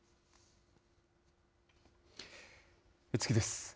次です。